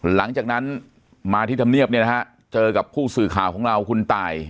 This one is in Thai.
หลังจากนั้นมาที่ธรรเมียบเจอกับผู้สื่อข่าวของเราคุณตาย